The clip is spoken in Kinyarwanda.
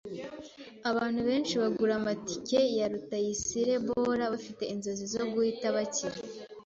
Abantu benshi bagura amatike ya Rutayisirebora bafite inzozi zo guhita bakira.